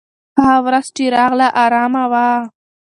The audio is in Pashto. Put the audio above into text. هغه ورځ چې راغله، ارامه وه.